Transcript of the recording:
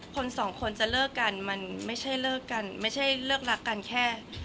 คนสองคนจะเลิกกันมันไม่ใช่เลิกรักกันแค่